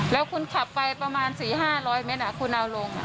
แล้วคุณขับไปประมาณสี่ห้าร้อยเมตรคุณเอาลง